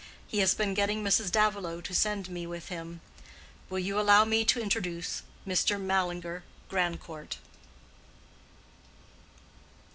He has been getting Mrs. Davilow to send me with him. Will you allow me to introduce Mr. Mallinger Grandcourt?"